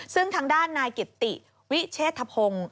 ซึ่งทางด้านนายกิตติวิเชษฐพงศ์